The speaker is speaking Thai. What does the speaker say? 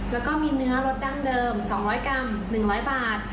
แล้วก็มีเนื้อรสดั้งเดิม๒๐๐กรัม๑๐๐บาท